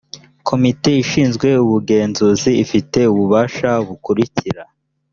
komite ishinzwe ubugenzuzi ifite ububasha bukurikira: